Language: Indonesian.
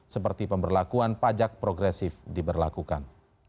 seperti pemberlakuan pajak progresif diberlakukan